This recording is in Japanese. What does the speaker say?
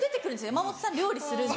山本さん料理するんで。